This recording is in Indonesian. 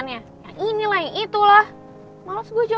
tegelanya udah oohh basic su